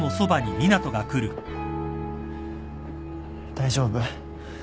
大丈夫？